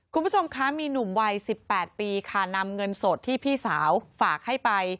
คุณผู้ชมคะมีหนุ่มวัย๑๘ปีค่ะนำเงินสดที่พี่สาวฝากให้ไป